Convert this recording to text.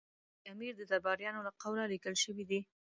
د امیر د درباریانو له قوله لیکل شوي دي.